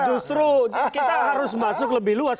justru kita harus masuk lebih luas